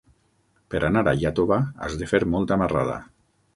Per anar a Iàtova has de fer molta marrada.